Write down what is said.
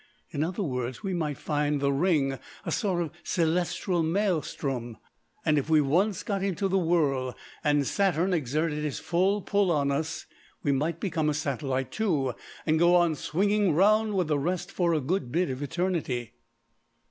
In other words we might find the ring a sort of celestial maelstrom, and if we once got into the whirl, and Saturn exerted his full pull on us, we might become a satellite, too, and go on swinging round with the rest for a good bit of eternity."